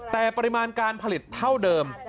แต่ปริมาณการผลิตเท่าเดิม